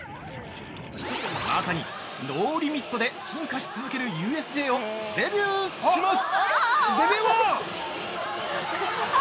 まさに「ＮＯＬＩＭＩＴ！」で進化し続けるＵＳＪをデビューします！